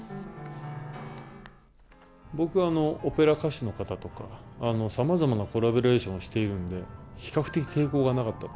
僕は、オペラ歌手の方とか、さまざまなコラボレーションをしているんで、比較的、抵抗がなかった。